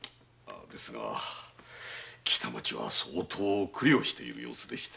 ですが北町は相当苦慮している様子でして。